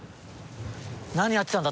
何やってたんだ？